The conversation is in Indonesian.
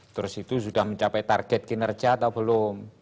terus itu sudah mencapai target kinerja atau belum